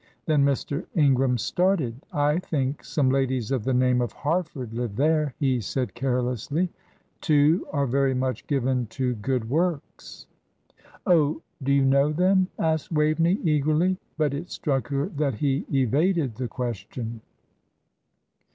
Then Mr. Ingram started. "I think some ladies of the name of Harford live there," he said, carelessly. "Two are very much given to good works." "Oh, do you know them?" asked Waveney, eagerly; but it struck her that he evaded the question.